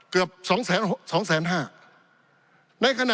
ปี๑เกณฑ์ทหารแสน๒